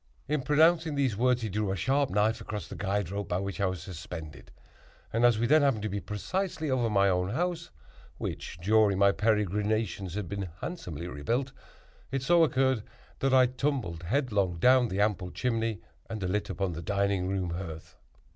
In pronouncing these words, he drew a sharp knife across the guide rope by which I was suspended, and as we then happened to be precisely over my own house, (which, during my peregrinations, had been handsomely rebuilt,) it so occurred that I tumbled headlong down the ample chimney and alit upon the dining room hearth.